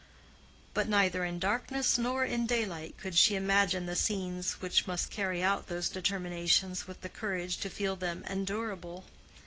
But neither in darkness nor in daylight could she imagine the scenes which must carry out those determinations with the courage to feel them endurable.